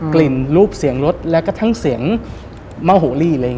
กลิ่นรูปเสียงรสและกระทั่งเสียงเมาโหลี่